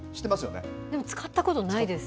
でも使ったことないです。